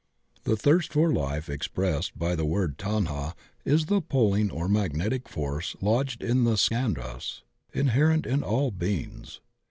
The thirst for life expressed by the word Tanha is the pulling or magnetic force lodged in the skandhas inherent in all beings.